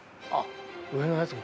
上のやつも。